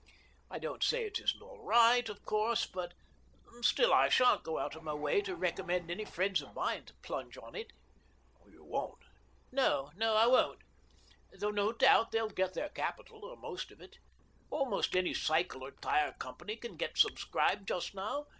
I don't say it isn't all right, of course, but still I shan't go out of my way to recommend any friends of mine to plunge on it." "You won't?" "No, I won't. Though no doubt they'll get their capital, or most of it. Almost any cycle or tyre company can get subscribed just now.